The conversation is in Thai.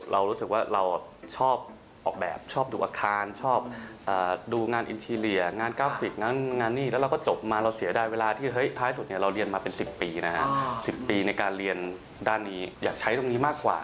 เรารู้สึกว่าเราชอบออกแบบชอบดูอาคารชอบดูงานอินทีเรียงานกราฟิกงานนี่แล้วเราก็จบมาเราเสียดายเวลาที่เฮ้ยท้ายสุดเนี่ยเราเรียนมาเป็น๑๐ปีนะฮะ๑๐ปีในการเรียนด้านนี้อยากใช้ตรงนี้มากกว่า